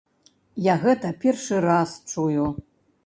Я гэта першы раз чую.